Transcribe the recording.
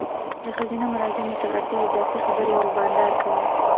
د ښځینه مراجعینو تر اړتیا اضافي خبري او بانډار کول